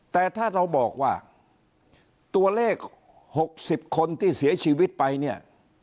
แต่ถ้าเราบอกว่าตัวเลข๖๐คนที่เสียชีวิตไปเนี่ย